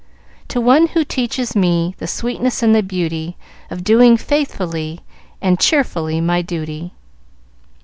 "To one who teaches me The sweetness and the beauty Of doing faithfully And cheerfully my duty."